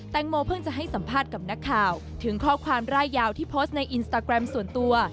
โมเพิ่งจะให้สัมภาษณ์กับนักข่าวถึงข้อความร่ายยาวที่โพสต์ในอินสตาแกรมส่วนตัว